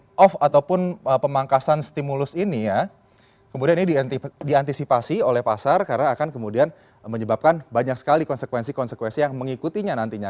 ini off ataupun pemangkasan stimulus ini ya kemudian ini diantisipasi oleh pasar karena akan kemudian menyebabkan banyak sekali konsekuensi konsekuensi yang mengikutinya nantinya